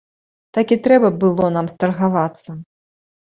Такі трэба б было нам старгавацца.